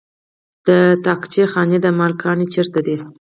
د طاقچه خانې د مالګې کان چیرته دی؟